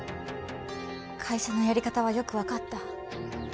会社のやり方はよく分かった。